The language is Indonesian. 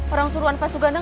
orang suruhan pak sugandang